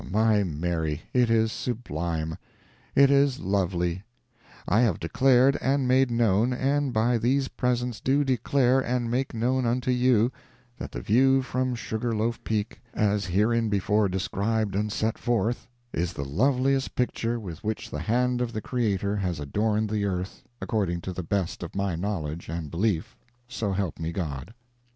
my Mary, it is sublime! it is lovely! I have declared and made known, and by these presents do declare and make known unto you, that the view from Sugar Loaf Peak, as hereinbefore described and set forth, is the loveliest picture with which the hand of the Creator has adorned the earth, according to the best of my knowledge and belief, so help me God.